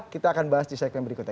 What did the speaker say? kita akan bahas di segmen berikutnya